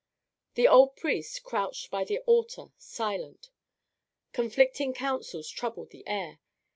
The old priest crouched by the altar, silent. Conflicting counsels troubled the air.